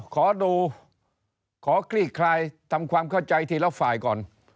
ขอดูขอคลี่คลายทำความเข้าใจทีละฝ่ายก่อน